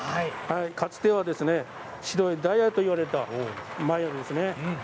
かつては白いダイヤといわれた繭ですね。